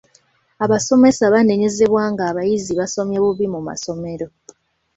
Abasomesa banenyezebwa ng'abayizi basomye bubi mu masomero.